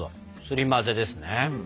すり混ぜですね。